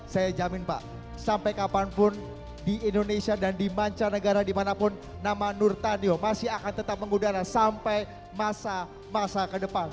saya jamin pak sampai kapanpun di indonesia dan di mancanegara dimanapun nama nur tandio masih akan tetap mengudara sampai masa masa ke depan